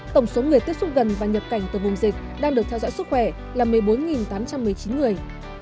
tổng số người tiếp xúc gần và nhập cảnh từ vùng dịch đang được theo dõi sức khỏe là một mươi bốn tám trăm một mươi chín người